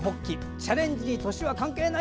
チャレンジに年は関係ない。